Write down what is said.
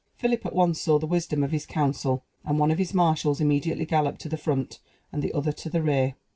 Philip at once saw the wisdom of this counsel, and one of his marshals immediately galloped to the front, and the other to the rear.